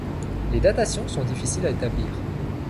Les datations sont difficiles à établir.